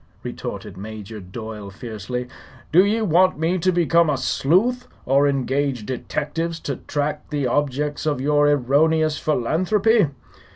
retorted Major Doyle, fiercely. "Do ye want me to become a sleuth, or engage detectives to track the objects of your erroneous philanthropy?